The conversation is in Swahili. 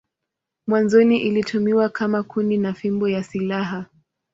Mwanzoni ilitumiwa kama kuni na fimbo ya silaha.